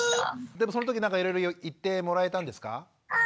でもそのときなんかいろいろ言ってもらえたんですか？